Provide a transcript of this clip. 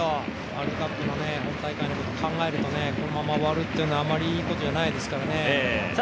ワールドカップの本大会考えるとこのまま終わるというのはあまりいいことではないですからね。